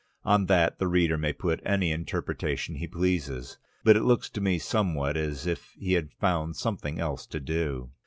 On that the reader may put any interpretation he pleases. It looks to me somewhat as if he had found something else to do.